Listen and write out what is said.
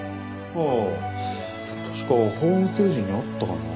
あ確かホームページにあったかなぁ。